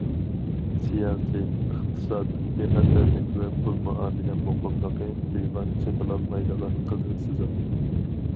سىياسىي، ئىقتىساد، بىخەتەرلىك ۋە پۇل مۇئامىلە مۇقىملىقى لىۋان چېقىلالمايدىغان قىزىل سىزىق.